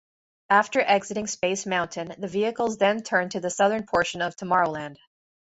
After exiting Space Mountain, the vehicles then turn to the southern portion of Tomorrowland.